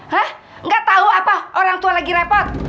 hah gak tau apa orang tua lagi repot